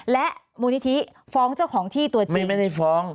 และมูลนิธิฟ้องเจ้าของที่ตัวจริงไม่ได้ฟ้อง